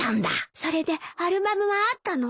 それでアルバムはあったの？